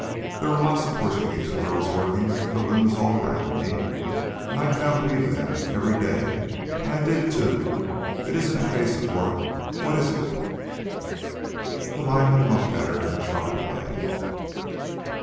There were lots of Portuguese girls working at the looms all around me, and I could out weave them, every day, and I did, too. It isn't a case of work. What is it?" The lineman looked at her in a troubled way.